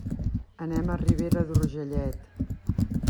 Anem a Ribera d'Urgellet.